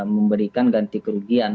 memberikan ganti kerugian